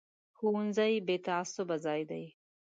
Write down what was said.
ښوونځی بې تعصبه ځای دی